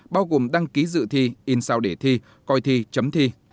bao gồm đăng ký dự thi in sao để thi coi thi chấm thi